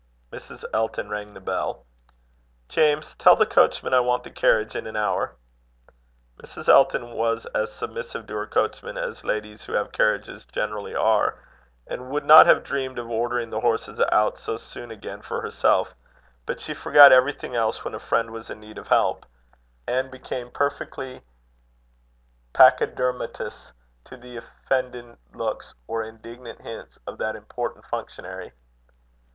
Mrs. Elton rang the bell. "James, tell the coachman I want the carriage in an hour." Mrs. Elton was as submissive to her coachman as ladies who have carriages generally are, and would not have dreamed of ordering the horses out so soon again for herself; but she forgot everything else when a friend was in need of help, and became perfectly pachydermatous to the offended looks or indignant hints of that important functionary.